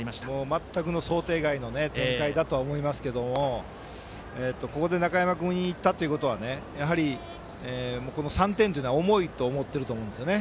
全くの想定外の展開だと思いますけどここで中山君にいったということはやはり３点というのは重いと思っていると思うんですね。